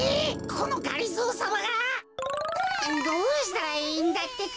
このがりぞーさまが！？どうしたらいいんだってか。